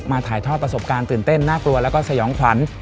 ถ่ายทอดประสบการณ์ตื่นเต้นน่ากลัวแล้วก็สยองขวัญ